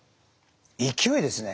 勢いですね。